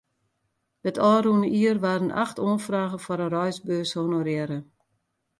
It ôfrûne jier waarden acht oanfragen foar in reisbeurs honorearre.